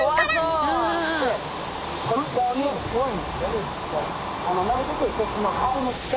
すごーい！